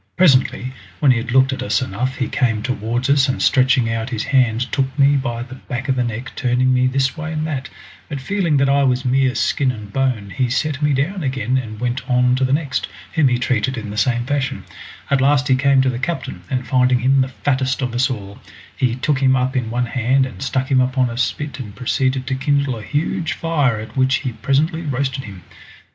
Presently when he had looked at us enough he came towards us, and stretching out his hand took me by the back of the neck, turning me this way and that, but feeling that I was mere skin and bone he set me down again and went on to the next, whom he treated in the same fashion; at last he came to the captain, and finding him the fattest of us all, he took him up in one hand and stuck him upon a spit and proceeded to kindle a huge fire at which he presently roasted him.